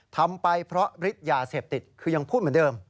ทำไปเพราะฤทธิ์ยาเสพติดคือยังพูดเหมือนเดิม